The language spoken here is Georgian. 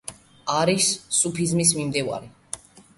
არის სუფიზმის მიმდევარი.